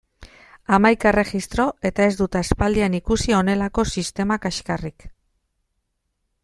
Hamaika erregistro eta ez dut aspaldian ikusi honelako sistema kaxkarrik!